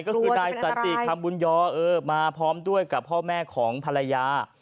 ก็คือนายสันติคำบุญยอมาพร้อมด้วยกับพ่อแม่ของภรรยา